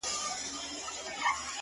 مجرم د غلا خبري پټي ساتي’